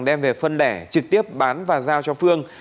đem về phân lẻ trực tiếp bán và giao cho phương